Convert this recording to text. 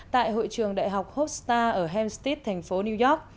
tại hội trường đại học hostar ở hampstead thành phố new york